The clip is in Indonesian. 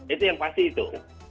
itu yang pasti itu